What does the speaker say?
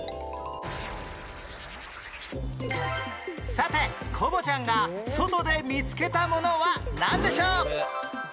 さてコボちゃんが外で見つけたものはなんでしょう？